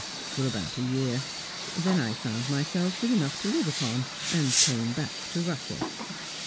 "For about a year. Then I found myself with enough to live upon, and came back to Russia.